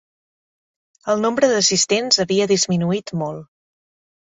El nombre d'assistents havia disminuït molt.